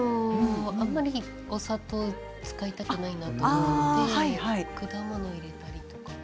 あまりお砂糖を使いたくないなと思って果物を入れたりとか。